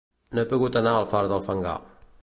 No he pogut anar al far del fangar